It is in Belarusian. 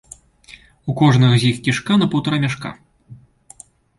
У кожнага з іх кішка на паўтара мяшка.